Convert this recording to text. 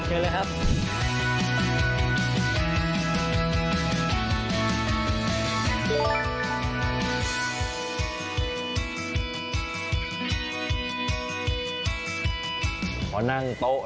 ขอนั่งนะครับ